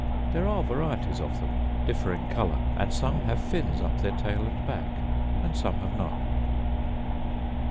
There are varieties of them, differing colour; and some have fins up their tail and back, and some have not.